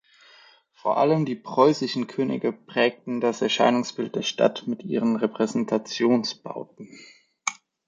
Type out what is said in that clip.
Vor allem die preußischen Könige prägten das Erscheinungsbild der Stadt mit ihren Repräsentationsbauten.